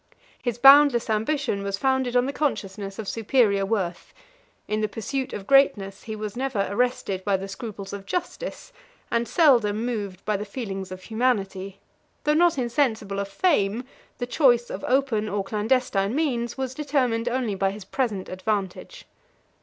41 His boundless ambition was founded on the consciousness of superior worth: in the pursuit of greatness, he was never arrested by the scruples of justice, and seldom moved by the feelings of humanity: though not insensible of fame, the choice of open or clandestine means was determined only by his present advantage.